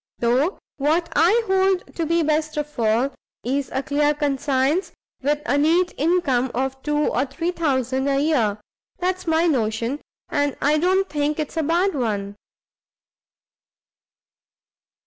Though what I hold to be best of all, is a clear conscience, with a neat income of 2 or 3000 a year. That's my notion; and I don't think it's a bad one."